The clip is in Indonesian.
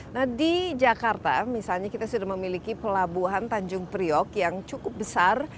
nah di jakarta misalnya kita sudah memiliki pelabuhan tanjung priok yang cukup besar